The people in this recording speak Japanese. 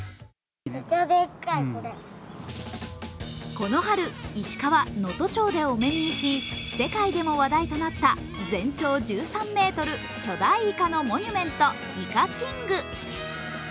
この春、石川・能登町でお目見えし世界でも話題となった全長１３ｍ、巨大いかのモニュメント、イカキング。